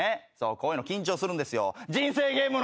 こういうの緊張するんですよ。